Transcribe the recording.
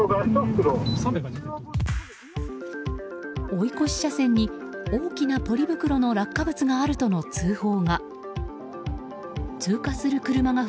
追い越し車線に大きなポリ袋の落下物があるとの通報が。